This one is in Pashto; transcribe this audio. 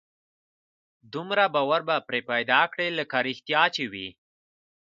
دومره باور به پرې پيدا کړي لکه رښتيا چې وي.